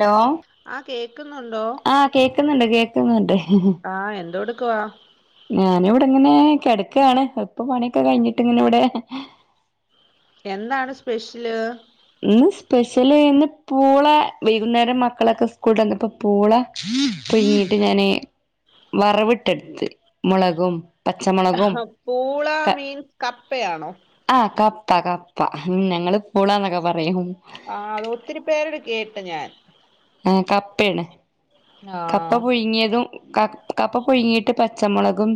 Hello ആ കേക്കുന്നുണ്ടോ ആ കേക്കുന്നുണ്ട് കേക്കുന്നുണ്ട് ആ എന്തോ എടുക്കുവാ ഞാനിവടെ ങ്ങനെ കെടക്കാണ് ഇപ്പൊ പണിയൊക്കെ കയ്ഞ്ഞിട്ട് ഇങ്ങനെ ഇവടെ എന്താണ് സ്പെഷ്യല് ഇന്ന് സ്പെഷ്യല് ഇന്ന് പൂള വൈന്നേരം മക്കളൊക്കെ സ്കൂള്ട്ടെന്നപ്പൊ പൂള പുയ്ങ്ങീട്ട് ഞാന് വറവിട്ടെടുത്ത് മൊളകും ആ പൂള മീൻസ് കപ്പയാണോ ആഹ് കപ്പ കപ്പ ഞങ്ങള് പൂളന്നൊക്കെ പറയും ആ അത് ഒത്തിരി പേരുടെ കേട്ട് ഞാൻ ആ കപ്പയാണ് ആ കപ്പ പുഴുങ്ങിയതും ക കപ്പ പുഴുങ്ങിട്ട്- പച്ചമുളകും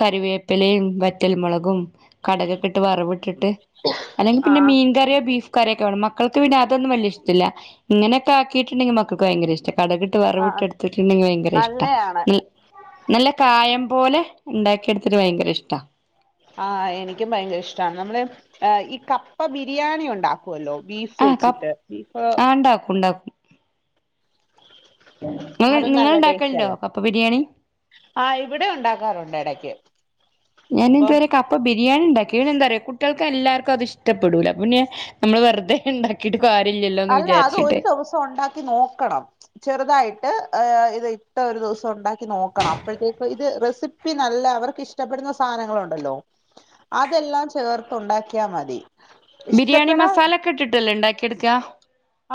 കറിവേപ്പിലയും വറ്റൽമുളകും കടകൊക്കെ ഇട്ട് വറ് വ് ഇട്ടിട്ട് അല്ലെങ്കി ആ പിന്നെ മീൻ കറിയോ ബീഫ് കറിയൊക്കെ വേണം മക്കൾക്ക് പിന്നെ അതൊന്നും വലിയ ഇഷ്ടല്ല ഇങ്ങനൊക്കെ ആക്കിട്ടുണ്ടെങ്കിൽ മക്കൾക്ക് ഭയങ്കര ഇഷ്ട- കടുകിട്ട് ആ വറവിട്ട് എടുത്തിട്ടുണ്ടെങ്കിൽ ഭയങ്കര ഇഷ്ട നല്ലയാണ് നല്ല കായം പോലെ ഉണ്ടാക്കിയ എടുത്തിട്ട് ഭയങ്കര ഇഷ്ട ആ എനിക്കും ഭയങ്കര ഇഷ്ടമാണ് നമ്മള് ഈ കപ്പ ബിരിയാണി ഉണ്ടാക്കുമല്ലോ ബീഫ് ആ ബീഫ് ക വെച്ചിട്ട് ബീഫ് ആ ഉണ്ടാക്കും ഉണ്ടാക്കും അത് നിങ്ങൾ നല്ല ഉണ്ടാക്കലുണ്ടോ കപ്പ ബിരിയാണി ആഹ് ഇവിടെ ഉണ്ടാക്കാറുണ്ട് എടക്ക് ഞാനിതു വരെ ബിരിയാണി ഉണ്ടാക്കി പിന്നെ എന്താറിയോ കുട്ടികൾക്ക് എല്ലാവർക്കും അതിഷ്ടപ്പെടൂല പിന്നെ നമ്മള് വെറുതെ ഉണ്ടാക്കി കിട്ട് കാര്യല്ലല്ലോ എന്ന് അല്ല അത് വിചാരിച്ചിട്ട് ഒരു ദിവസം ഉണ്ടാക്കി നോക്കണം ചെറുതായിട്ട് ഇത് ഇട്ട് ഒരു ദിവസം ഉണ്ടാക്കി നോക്കണം അപ്പോയ്തേക്കും ഇത് റെസി പ്പി നല്ല അവർക്ക് ഇഷ്ടപ്പെടുന്ന സാധനങ്ങളുണ്ടല്ലോ അതെല്ലാം ചേർത്ത് ഉണ്ടാക്കിയാൽ മതി ബിരിയാണി ഇഷ്ടപ്പെടാൻ മസാല ഒക്കെ ഇട്ടിട്ടല്ലേ ഉണ്ടാക്കിെയെടുക്ക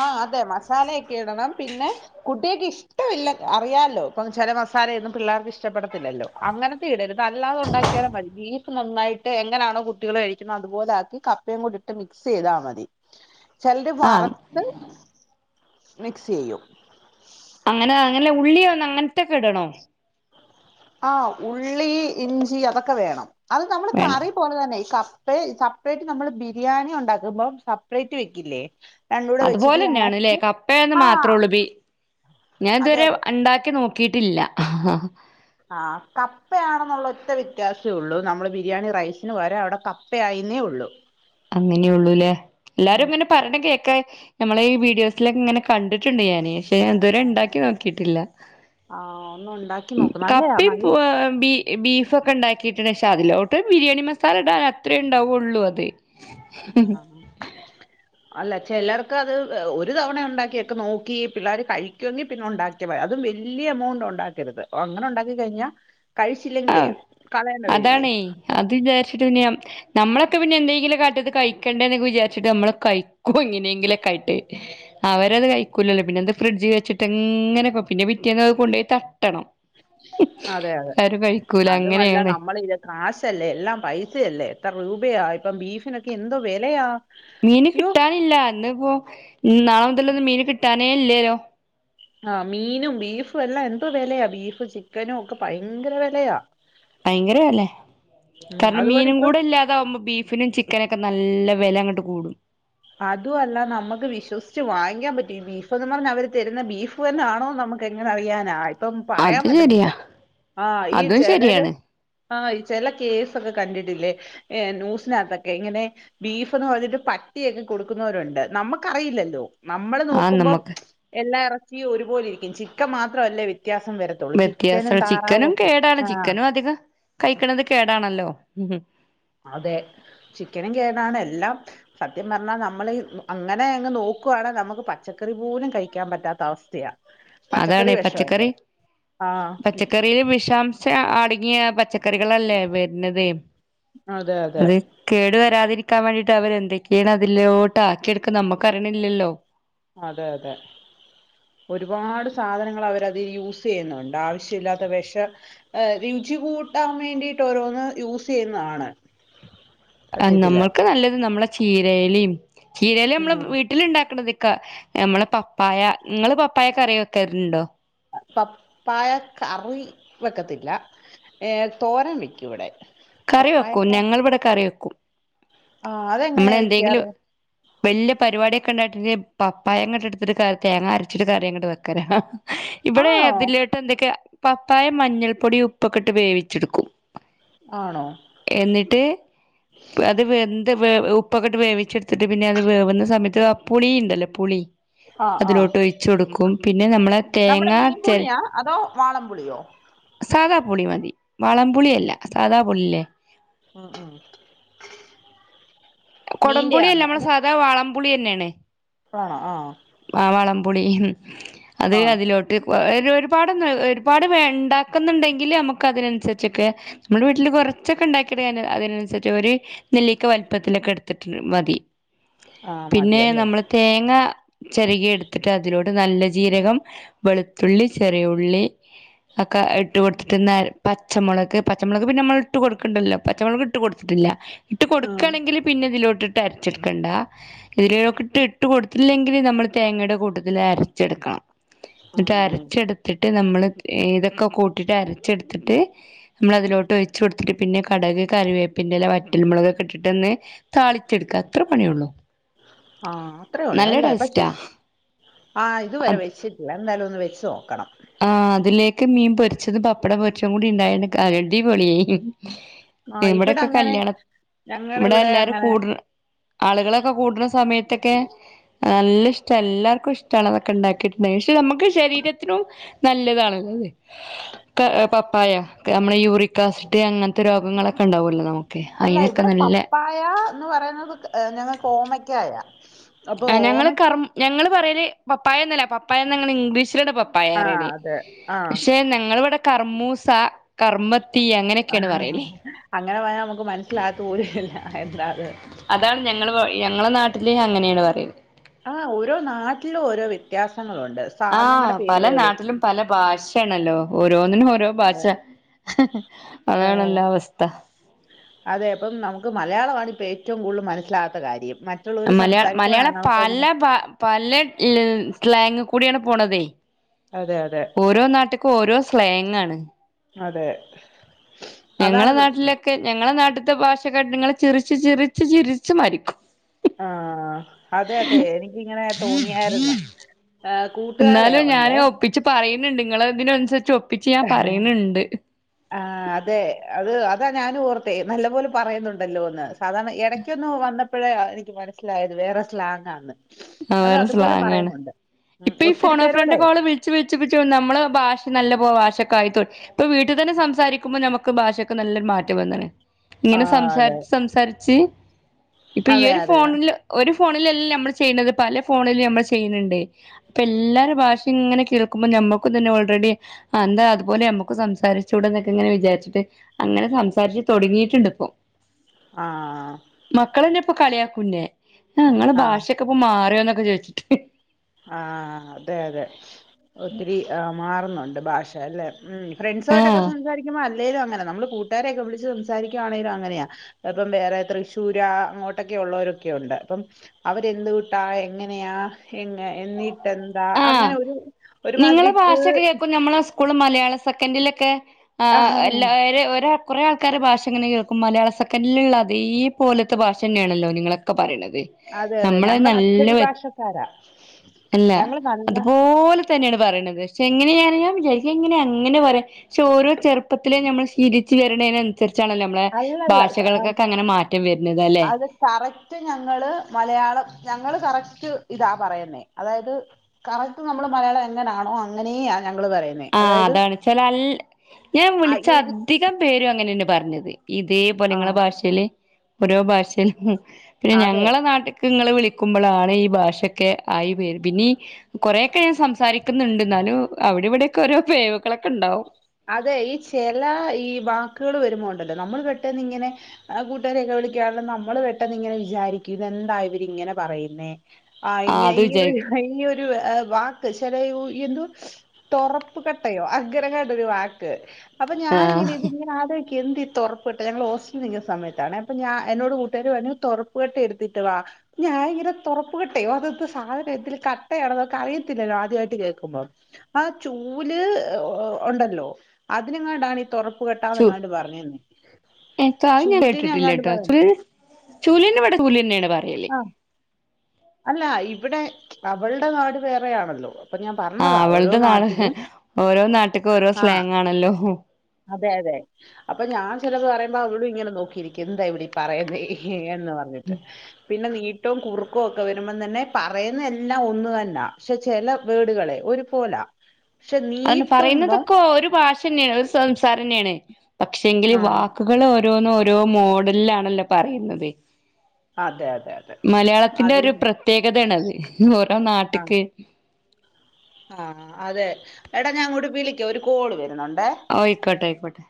ആ അതെ മസാലയൊക്കെ ഇടണം പിന്നെ കുട്ടികക്ക് ഇഷ്ടമില്ല അറിയാലോ ഇപ്പം ചില മസാലയും പിള്ളേർക്ക് ഇഷ്ടം പ്പെടത്തില്ലല്ലോ അങ്ങനത്തെ ഇടരുത് അല്ലാതെ ഉണ്ടാക്കിയാലും മതി ഈ നന്നായിട്ട് എങ്ങനാണോ കുട്ടികൾ കഴിക്കണം അതുപോലൊക്കി കപ്പയും കൂടി ഇട്ട് മിക്സ് ചെയ്താൽ മതി ചെലര് ആഹ് വറുത്ത് മിക്സ് ചെയ്യും അങ്ങനെ അങ്ങനെ ഉള്ളി വന്ന് അങ്ങനത്തെക്കെ ഇടണോ ആ ഉള്ളി ഇഞ്ചി അതൊക്കെ വേണം അത് നമ്മള് വേണ്ട കറി പോലെ തന്നെ ഈ കപ്പ കപ്പെറ്റ് നമ്മള് ബിരിയാണി ഉണ്ടാക്കുമ്പോം സപ്പറേറ്റ് വെക്കില്ലേ രണ്ടൂടെ വെച്ചിട്ട് അതുപോലെ തന്നെയാണ്ല്ലേ ലാസ്റ്റ് കപ്പയന്ന് മാത്രേ ആഹ് ഉള്ളു ബീ ഞാൻ അതെ ഇതുവരെ അതെ ഉണ്ടാക്കി നോക്കി നോകീട്ടില്ല ആ കപ്പയാണെന്നുള്ള ഒറ്റ വ്യത്യാസമള്ളൂ നമ്മള് ബിരിയാണി റൈസിന് പകരം അവിടെ കപ്പ കപ്പ ആയിന്നെ ഉള്ളൂ അങ്ങനെയള്ളൂല്ലേ ഉം എല്ലാരും ഇങ്ങനെ പറയണ കേൾക്കാ നമ്മളെ ഈ വീഡിയോസിലൊക്കെ ഇങ്ങനെ കണ്ടിട്ടുണ്ട് ഞാന് ഞാൻ ഇതുവരെ ആഹ് ഉണ്ടാക്കി നോക്കിട്ടില്ല ആഹ് ഒന്ന് ഉണ്ടാക്കി നോക്ക് നല്ലയാ കപ്പയും നല്ല ബീ ബീഫൊക്കെ ഉണ്ടാക്കിയിട്ടുണ്ട് പക്ഷേ അതിലോട്ട് ബിരിയാണി മസാല ഇടാൻ അത്രേ ഉണ്ടാവുള്ളൂ അത് ആഹാ അല്ല ചിലർക്ക്‌ അത് ഒരു തവണ ഉണ്ടാക്കിയൊക്കെ നോക്കി പിള്ളേർ കഴിക്കുമെങ്കിൽ പിന്നെ ഉണ്ടാക്കി അതും വലിയ എമൗണ്ട് ഉണ്ടാക്കരുത് അങ്ങനെ ഉണ്ടാക്കി കഴിഞ്ഞാൽ കഴിച്ചില്ലെങ്കിലേ ആഹ് കളയേണ്ടി വരില്ലേ അതാണേ ക [unintelligible] നമ്മളൊക്കെ പിന്നെ എന്തെങ്കിലും കാട്ടിയത് കഴിക്കണ്ടത് എന്നൊക്കെ വിചാരിച്ചിട്ട് നമ്മള് കഴിക്കും എങ്ങനെയെങ്കിലോക്കെ ആയിട്ട് അവരത് കഴിക്കൂലല്ലോ പിന്നെ അത് ഫ്രിഡ്ജ് വെച്ചിട്ട്ങ്ങനെ പിന്നെ പിറ്റേ അത് കൊണ്ടുപോയി തട്ടണം അതെ അതെ ആരും കഴിക്കൂല അതുമല്ല അങ്ങനെയാണ് നമ്മള ഇരു കാശല്ലേ എല്ലാം പൈസയല്ലേ എത്ര രൂപയാ ഇപ്പം ബീഫിനൊക്കെ എന്തോ വിലയാ മീന് അയ്യോ കിട്ടാനില്ല ഇന്ന് ഇപ്പോ നാളെ മുതലൊന്ന് മീന് കിട്ടാനേ ഇല്ലല്ലോ ആഹ് മീനും ബീഫും എല്ലാം എന്ത്‌ വിലയാ ബീഫും ചിക്കനും ഒക്കെ ഭയങ്കര വിലയാ ഭയങ്കര അല്ലെ ഉം കാരണം അതുപോലെ മീനും ഇപ്പം കൂടെ ഇല്ലാതെ താവുമ്പോ ബീഫിനും ചിക്കനൊക്കെ നല്ല വില അങ്ങട്ട് കൂടും അതും അല്ല നമുക്ക് വിശ്വസിച്ച് വാങ്ങാൻ പറ്റും ഈ ബീഫ്ന്ന് പറഞ്ഞ് അവര് തരുന്ന ബീഫ് തന്നൊണോ നമുക്കങ്ങനെ അറിയാനാ ഇപ്പം പറയാൻ അത് ശരിയാ പറ്റത്തില്ല ആ ഈ അതും ചിലര് ശരിയാണ് ആഹ് ചില കേസൊക്കെ കണ്ടിട്ടില്ലേ ഏഹ് നൂസിനകത്തൊക്കെങ്ങനെ ബീഫ്ന്ന് പറഞ്ഞിട്ട് പ ക്കെ കൊടുക്കുന്നവരുണ്ട് നമ്മുക്കറിയില്ലല്ലോ നമ്മള് ആ നോക്കുമ്പം നമ്മുക്ക് എല്ലാ ഇറച്ചിയും ഒരുപോലെ ഇരിക്കും ചിക്ക മാത്രല്ലേ വ്യത്യാസം വര വ്യത്യാസ ചിക്കനും കേടാണ് ചിക്കനും അധികം കഴിക്കണത് കേടാണല്ലോ ഹും അതെ ചിക്കനും കേടാണ് എല്ലാം സത്യം പറഞ്ഞാൽ നമ്മൾ അങ്ങനെ അങ്ങ് നോക്കുണെ നമുക്ക് പച്ചക്കറി പോലും കഴിക്കാൻ പറ്റാത്ത അവസ്ഥയാ പച്ചക്കറി അതാണ് വിഷംല്ലേ ആഹ് ക്കറിൽ വിഷാംശം അടുങ്ങിയ പച്ച ക്കറികളല്ലേ വരുന്നത് അതെ അതെ അത് കേടു വരാതിരിക്കാൻ വേണ്ടിയിട്ട് അവരെന്തൊക്കെണ് അതിലോട്ട് ആക്കിടുക്കുന്ന മ്മക്ക് അറിയില്ലല്ലോ അതെ അതെ ഒരുപാട് സാധനങ്ങൾ അവരതിൽ യൂസ് ചെയ്യുന്നുണ്ട് ആവശ്യമില്ലാത്ത വിഷ രുചി കൂട്ടാൻ വേണ്ടിട്ട് ഓരോന്ന് യൂസ് ചെയ്യുന്നതാണ് ആഹ് സത്യത്തില് നമ്മൾക്ക് നല്ലത് നമ്മളെ ചീരയിലിം ചീരയില നമ്മള് വീ ഉം വീട്ടിലുണ്ടാക്കണതിക്കാ നമ്മളെ പപ്പായ നിങ്ങള് പപ്പായ കറി വെക്കലുണ്ടോ പപ്പായ കറി വെക്കത്തില്ല ഏഹ് തോരൻ വയ്ക്കുംവിടെ കറി വെക്കും ഞങ്ങളിവിടെ കറി വെക്കും ആ അതെങ്ങനെയാ നമ്മൾന്തെങ്കിലും വെക്കാറ് വല്ല്യയ പരിപാടിയൊക്കെണ്ടായിട്ട പപ്പായങ്ങോട്ട് എടുത്തിട്ട് കറി തേങ്ങ അരച്ചിട്ട് കറിങ്ങോട്ട് വെക്കലാ ഇവിടെ ആണോ ഏതിലായിട്ട്ന്തൊക്കെയാ പപ്പായ മഞ്ഞൾപ്പൊടി ഉപ്പൊക്കെട്ട് വേവിച്ചെടുക്കും ആണോ എന്നിട്ട് അത് എന്ത് ഉപ്പൊക്കെട്ട് വേവിച്ചെടുത്ത് എത്തിട്ട് പിന്നെ അത് വേവുന്ന സമയത്ത് പുളിണ്ടല്ലോ പുളി ആ ആ അതിലോട്ട് ഒഴി ച്ചൊടുക്കും പിന്നെ നമ്മളെ നമ്മുടെ തേങ്ങാ മീൻ ചെ പുളിയാ അതോ വാളമ്പുളിയോ സാദാ പുളി മതി വളം പുളിയല്ല സാദാ പുളില്ലേ ആഹ് ആഹ് കൊടംപുളിയല്ല നമ്മളെ സാധാ വാളം പുളിന്നെണ് ണോ ആഹ് ആഹ് വളംപുളി അത് ആ അതിലോട്ട് ഒരുപാട് ഒരുപാട് ഉണ്ടാക്കുന്നുണ്ടെങ്കില് നമുക്ക് അതിനനുസരിച്ചൊക്കെ നമ്മുടെ വീട്ടില് കുറച്ചൊക്കെ ഉണ്ടാക്കിയടു അതിനനുസരിച്ച് ഒരു നെല്ലക്കെ വലുപ്പത്തിലൊക്കെ എടുത്തിട്ട് മതി ആ പിന്നെ മതിയല്ലേ നമ്മള് തേങ്ങ ചെറുകിയ എടുത്തിട്ട് അതിലോടെ നല്ല ജീരകം വെളുത്തുള്ളി ചെറിയുള്ളി അക്കെ ഇട്ട് കൊടുത്തിട്ട നേരം പച്ചമുളക് പച്ചമുളക് പിന്നെ നമ്മൾ ഇട്ട് കൊടുക്കണ്ടല്ലോ പച്ചമുളക് ഇട്ട് കൊടുത്തിട്ടില്ല ഇട്ട് കൊടുക്കാണെങ്കിൽ പിന്നെ ഇതിലോട്ടിട്ട് അരച്ചെടുക്കണ്ട ഇതിലോട്ട് ഇട്ട് കൊടുത്തില്ലെങ്ക ങ്കിൽ നമ്മ തേങ്ങയുടെ കൂട്ടത്തി അരച്ചെടുക്കണം എന്നിട്ട് അരച്ചെടു ത്തിട്ട് നമ്മൾ ഇതൊക്കെ കൂട്ടിയിട്ട് അരച്ചെടുത്തിട്ട് നമ്മളതിലോട്ട് ഒഴച്ച് കൊടുത്തിട്ട് പിന്നെ കടക് കറിവേപ്പിൻ്റെല്ല വറ്റൽ മുളകൊക്കെട്ടിട്ട്ന്ന് താളിച്ചെടുക്കാ അത്ര പണിയള്ളൂ ആ അത്രേള്ളൂല്ലേ പക്ഷെ ആ ഇതുവരെ അത് വെച്ച എല്ല ന്തായാലും ഒന്ന് വെച്ച് നോക്കണം ആ അതിലേക്ക് മീൻ പൊരിച്ചത് പപ്പട പൊരിച്ച കൂടിണ്ടായിണ്ട് അടി പൊളിയായി ആഹ് ഇവിടെ ഇവിടെക്കെ അങ്ങനെ കല്യാണ ഇവിടെ ഞങ്ങളിവിടെ എല്ലാരും അങ്ങനെ കൂടു ആളുകളൊക്കെ കൂട്ടുന്ന സമയത്തൊക്കെ നല്ല ഇഷ്ട എല്ലാർക്കും ഇഷ്ടാണ് അതൊക്കെ ഉണ്ടാക്കിട്ട് പക്ഷെ നമുക്ക് ശരീരത്തിനും നല്ലതാണല്ലോ അതെ ക്ക പപ്പായ നമ്മെ യൂറിക്കാസിഡ് അങ്ങനത്തെ രോഗങ്ങളൊക്കെ ഉണ്ടാവൂല്ലോ നമുക്ക് ഓക്കെ അയിനൊക്കെ നല്ല യാ എന്ന് പറയുന്നത് ഞങ്ങ കോമക്കായ ഞങ്ങള് കർ ഞങ്ങള്ൾ പറയല് പപ്പായന്നല്ല പപ്പായന്ന് ഞങ്ങള്ൾ ഇംഗ്ലീഷിലടെ പപ്പ ആഹ് അതെ ആഹ് പക്ഷെ ഞങ്ങളിവിടെ കർമ്മൂസ കർമ്മത്തി അങ്ങനെയൊക്കെയാണ് പറയലേ അങ്ങനെ പറഞ്ഞാൽ നമുക്ക് മനസ്സിലാത്തൂരല്ല എന്താ അത് അതാണ് ഞങ്ങള്ൾ ഞങ്ങളെ നാട്ടില് അങ്ങനെയാണ് പറയുന്നത് ആഹ് ഓരോ നാട്ടിലും ഓരോ വ്യത്യാസങ്ങളുണ്ട് ആഹ് സാധനങ്ങളുടെ പേര് പല പോലും നാട്ടിലും പല ഭാഷയാണല്ലോ ഓരോന്നിനും ഓരോ ഭാഷ അതണല്ല അവസ്ഥ അതേ അപ്പം നമുക്ക് മലയാളമാമാണ് ഇപ്പോൾ ഏറ്റവും കൂടുതൽ മനസ്സിലാത്ത കാര്യം മറ്റ് മലയാള മലയാളം പല പല ക്ലാങ് കൂടിയാണ് പോണതേ അതെ അതെ ഓരോ നാട്ടക്കും ഓരോ സ്ലേങ്ങണ് അതെ ഞങ്ങളെ അതാണ് പ്രശ്നം നാട്ടിലൊക്കെ ഞങ്ങളെ നാട്ടിലത്തെ ഭാഷകട്ടങ്ങളെ ചിച്ച് ചിച്ച് ചിരിച്ച് മരിക്കും ആഹ് അതെ അതെ എനിക്കിങ്ങനെ തോന്നിയായിരുന്നു കൂട്ടുകാരെ ഉണ്ടേ ഒപ്പിച്ചച്ച് പറയുന്നുണ്ട് നിങ്ങളൾ അതിനനുസരിച്ച് ആഹ ആഹ് അതെ അത് അതാ ഞാനും ഓർത്ത നല്ല പോലെ പറയുന്നുണ്ടല്ലോന്ന് അതാണ് ഇടക്കൊന്ന് വന്നപ്പോഴേ എനിക്ക് മനസ്സിലായത് വേറെ സ്ലാങ്ങ ആന്ന് ആ വേറെ സ്ലാങ്ങാണ് ഉം ഇപ്പൊ ഈ ഒത്തിരി ഫോണോ ഫ്രണ്ട് പേരോടെ കോള് വിള വിച്ച് വിളിച്ച്പ്പിച്ചോ നമ്മള് ഭാഷ നല്ല ഭാഷക്കായി ഇപ്പൊ വീട്ടി തന്നെ സംസാരിക്കുമ്പോ നമുക്ക് ഭാഷയക്കെ നല്ലൊരു മാറ്റം വന്ന്ണ് ഇങ്ങനെ ആഹ് സംസാരി അതെ സംസാരിച്ച് ഇപ്പൊ ഈ അതെ ഒരു അതെ ഫോണില് ഒരു ഫോണിലല്ലാം നമ്മൾ ചെയ്യണത് പല ഫോണിലും നമ്മൾ ചെയ്യുന്നുണ്ട് ഇപ്പൊ എല്ലാര ഭാഷിംഇങ്ങനെ കേൾക്കുമ്പോ ഞമ്മക്കും തന്നെ ഓൾറെഡി അ എന്താ അതുപോലെ നമ്മുക്ക് സംസാരിച്ചൂട എന്നൊക്കെങ്ങനെ വിചാരിച്ചിട്ട് അങ്ങനെ സംസാരിച്ച് തൊടങ്ങിട്ടിണ്ട് ഇപ്പോ ആഹ് മക്കളെന്നെ ഇപ്പൊ കളിയാക്കൂ ന്നെ ആ ഇങ്ങളെ ആഹ് ഭാഷക്കെ ഇപ്പ മാറിയോന്നൊക്കെ ചോദിച്ചിട്ട് ആഹ് അതെ അതെ ഒത്തിരി ആ മാറുന്നുണ്ട് ഭാഷല്ലേ ഉം ഫ്രണ്ട്സായിട്ടൊക്ക ആഹ് സംസരികുമ്പോ അല്ലേലും അങ്ങനെ നമ്മള് കൂട്ടാരൊക്കെ വിളിച്ച് സംസാരിക്കുകയാണേലും അങ്ങനെയാ ഇപ്പം വേറെ തൃശ്ശൂര അങ്ങോട്ടൊക്കെ ഉള്ളവരൊക്കെ ഉണ്ട് അപ്പം അവരെന്ത് കൂട്ടാ എങ്ങനെയാ എങ്ങ എന്നിട്ടെന്താ ആഹ് അങ്ങനെ ഒരു ഒരുമാതിരിക് സ്കൂൾ മലയാള സെക്കൻ്റലൊക്കെ ആ, ആ് എല്ലാരു ഒര കുറെആൾക്കാര് ഭാഷ ഇങ്ങനെ കേൾക്കും മലയാള സെക്കൻ്റെ ല് ള്ള അതേ പോലത്തെ ഭാഷ ന്നെണല്ലോ നിങ്ങളൊക്കെ പറയ്ണത് അതെ അതെ ഞങ്ങൾ അച്ചടി ഭാഷക്കാരാ ഞങ്ങ അത്പോല് തന്നെണ് പറയ്ണത് ക്ഷെ എങ്ങനെയറിയാം വിജാരിക എങ്ങനെ അങ്ങനെ പറയാം ക്ഷെ ഓരോ ചെറുപ്പത്തിലേ നമ്മൾ ശീലിച്ച് വരുന്നേതിനനുസരിച്ചാണലേ നമ്മളെ അല്ലല്ല സ- ഭാഷകൾക്കൊക്കെ അങ്ങനെ മാറ്റം വരുന്നത് അല്ലേ അത് കറക്റ്റ് ഞങ്ങള് മലയാളം ഞങ്ങള് കറക്റ്റ് ഇതാ പറയുന്നേ അതായത് കറക്ക് നമ്മൾ മലയാളം എങ്ങനാണോ അങ്ങനെയാ ഞങ്ങൾ പറയുന്നത് ആ അതാണച്ചാൽ അ ഞാൻ അ വിളിച്ച ഇ അധികം പേരും അങ്ങനെ ന്നെ പറഞ്ഞത് ഇതേ പോലെ നിങ്ങളെ ആഹ് ഭാഷൽ ഓരോ ഭാഷയിലും പിന്നെ അതെ ഞങ്ങളെ നാട്ടിൽ ക്ക് ഇങ്ങൾ വിളിക്കുമ്പോളാണ് ഈ ഭാഷക്കെ ആയി പേര് പിന്നി കുറെക്കെ ഞാൻ സംസാരിക്കുന്നുണ്ട് ഇന്നാലും അവിടെ ഇവിടെയൊക്കെ ഓരോ പെയവുകളൊക്കെ ഉണ്ടാവും അതെ ഈ ചെല ഈ വാക്കുകൾ വരുമ്പോഉണ്ടല്ലോ നമ്മൾ പെട്ടെന്ന് ഇങ്ങനെ ആ കൂട്ടേര് എന്നെ വിളിക്കാനുള്ളു നമ്മള് പെട്ടന്നിങ്ങനെ വിചാരിക്കും ഇതെന്താ ഇവര് ഇങ്ങനെ പറയുന്നേ. ആ ആഹ് ഇങ്ങ്യ അത് [unintelligible] വിചാരിക്കും ഹയ്യോര് വാ വാക്ക് [unintelligible] എന്തോ തൊറപ്പ് കട്ടയോ അങ്ങന ങ്ങാ ഒര് വാക്ക് അപ്പ ഞാനിങ്ങനെ [unintelligible] ആഹ് ഇങ്ങനാലോയി എന്ത് തൊർപ്കട്ട ഞങ്ങൾ ഹോസ്റ്റലിൽ നിക്കുന്ന സമയത്താണ് അപ്പ ഞാ എന്നോട് കൂട്ടുകാര് പറഞ്ഞു തൊറപ്പകട്ട എടുത്തിട്ട് വാ. ഞാന് ഇങ്ങനെ തൊറപ്പുകട്ടായോ അതെന്ത് സാധനം എന്തൊരു കട്ടയാണോ മ്മക്ക് അറിയത്തില്ലല്ലോ ആദ്യായിട്ട് കേക്കുമ്പോ. ആ ചൂല് ഉ ഉണ്ടല്ലോ അതിനങ്ങാണ്ടാണ് ഇ തൊറപ്. പ്പ് കാട്ടാന്നെങ്ങാണ്ട് പറഞ്ഞന്നേ. ഇൻത്ത അത് ഞാൻ കേട്ടിട്ടില്യാട്ടോ പറ ചുൽ ചൂലിന്നുവടെ ചൂല്ന്നെണ് പറയല്. ത് ആ അല്ല ഇവിടെ അവളുടെ നാട് വേറെയാണല്ലോ. അപ്പ ഞാൻ ആഹ് പറന്നതാ ഓരോ അവളത് നാളെ നാട്ടിലും ഓരോ നാട്ട്ക്ക് ഓരോ ആ. സ്ലാങ് ആണല്ലോ ഹു. അതെ അതെ അപ്പൊ ഞാൻ ചെലെത് പറയുമ്പോ അവള് ഇങ്ങനെ നോക്കി ഇരിക്കും എന്താ ഇവളി പറയുന്നേ.. ന്ന് പറഞ്ഞിട്ട് പിന്നെ നീ.. ഏറ്റവും കുറുക്കൊക്കെ വരുമ്പതന്നെ പറയുന്ന എല്ലം ഒന്ന് തന്നാ പക്ഷെ ചെല വേടുകൾ ഒരുപോല. അതന്നെ പറയുന്നതൊക്കെ ഒര് ഭാഷ. ഷന്നെണ് ഒര് സംസാരെന്നെണ് പക്ഷെങ്കില് ആഹ് വാക്കുകള് ഓരോന്നും ഓരോ മോഡൽലാണല്ലോ. പറയുന്നത് അതെ അതെ അതെ മലയാളത്തിന്റെ അതും ഒര് പ്രത്യേകതയാണ് അത്. ഓരോ നാട്ട്ക്ക്. ആ അതെ എടാ ഞാൻ അങ്ങോട്ട് വിളിക്കാം ഒര് കോള് വരുന്നുണ്ടേ. ഓ അയ്ക്കോട്ടെ അയ്ക്കോട്ടെ.